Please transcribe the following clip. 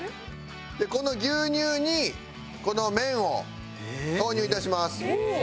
でこの牛乳にこの麺を投入致します。